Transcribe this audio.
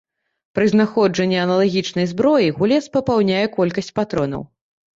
Пры знаходжанні аналагічнай зброі гулец папаўняе колькасць патронаў.